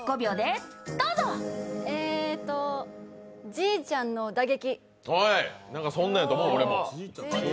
じいちゃんの打撃。